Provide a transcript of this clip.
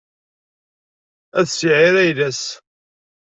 Ad s-iεir ayla-s.